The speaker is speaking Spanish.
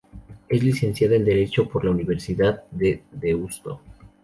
Es licenciada en Derecho por la Universidad de Deusto.